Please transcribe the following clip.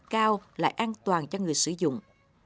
năng suất cao lại an toàn cho người sử dụng